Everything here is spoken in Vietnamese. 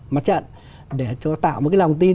mặt trận để tạo một cái lòng tin